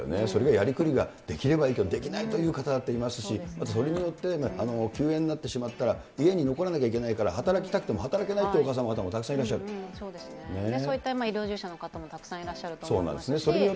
それがやりくりができればいいけど、できないという方だっているだろうし、あとそれによって、休園になってしまったら、家に残らなきゃいけないから、働きたくても働けないというお母様方もたくさんいらっそうですね、そういった医療従事者の方もいらっしゃると思いますし。